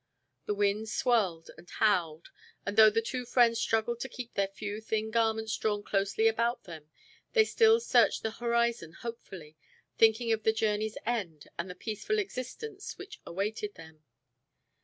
The wind swirled and howled, and though the two friends struggled to keep their few thin garments drawn closely about them, they still searched the horizon hopefully, thinking of the journey's end and the peaceful existence which awaited them.